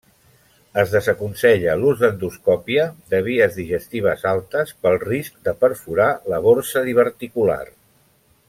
Es desaconsella l'ús d'endoscòpia de vies digestives altes pel risc de perforar la borsa diverticular.